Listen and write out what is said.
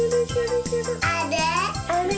あれ？